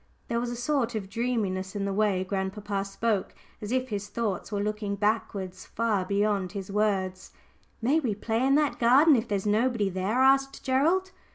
There was a sort of dreaminess in the way grandpapa spoke, as if his thoughts were looking back somehow far beyond his words. "May we play in that garden if there's nobody there?" asked Gerald.